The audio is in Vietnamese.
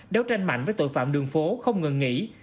đấu tranh mạnh với tội phạm đường phố không ngừng nghỉ